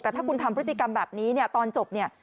แต่ถ้าคุณทำพฤติกรรมแบบนี้เนี่ยตอนจบเนี่ย